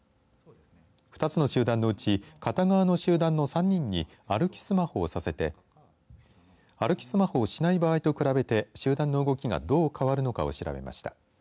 ２つの集団のうち片側の集団の３人に歩きスマホをさせて歩きスマホをしない場合と比べて集団の動きがどう変わるのかを調べました。